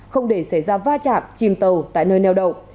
không để xảy ra va chạm chìm tàu tại nơi neo đậu